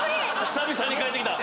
久々に帰ってきた。